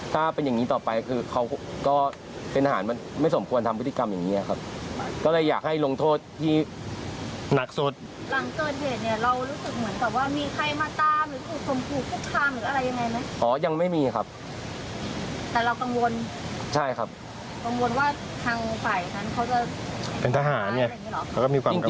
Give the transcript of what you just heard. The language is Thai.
กังวลว่าทางฝ่ายนั้นเขาจะเป็นทหารอย่างนี้หรอ